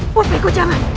buat baik baik jangan